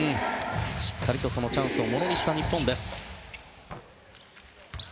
しっかりとそのチャンスをものにした日本です。